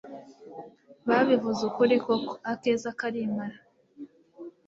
babivuze ukuri koko Akeza karimara .